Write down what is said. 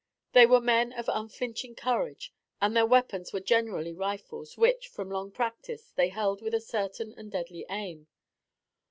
They were men of unflinching courage, and their weapons were generally rifles, which, from long practice, they held with a certain and deadly aim.